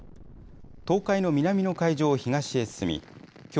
東海の南の海上を東へ進みきょう